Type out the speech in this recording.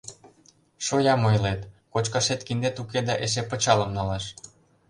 — Шоям ойлет; кочкашет киндет уке да, эше пычалым налаш...